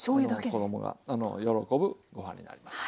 子供が喜ぶご飯になります。